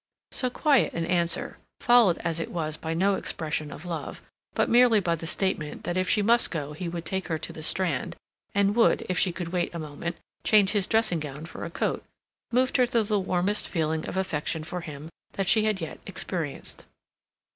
So quiet an answer, followed as it was by no expression of love, but merely by the statement that if she must go he would take her to the Strand, and would, if she could wait a moment, change his dressing gown for a coat, moved her to the warmest feeling of affection for him that she had yet experienced.